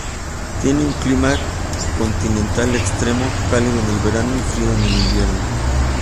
Tiene un clima continental extremo, cálido en el verano y frío en el invierno.